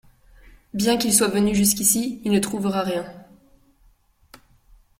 Bien qu’il soit venu jusqu’ici, il ne trouvera rien.